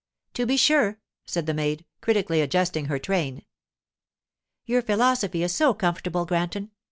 'To be sure,' said the maid, critically adjusting her train. 'Your philosophy is so comfortable, Granton!